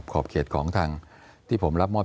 ขอบเขตของทางที่ผมรับมอบ